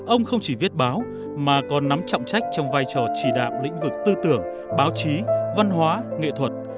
ông không chỉ viết báo mà còn nắm trọng trách trong vai trò chỉ đạm lĩnh vực tư tưởng báo chí văn hóa nghệ thuật